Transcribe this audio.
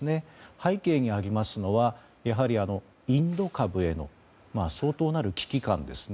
背景にありますのはやはり、インド株への相当なる危機感ですね。